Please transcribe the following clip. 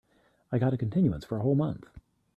I got a continuance for a whole month.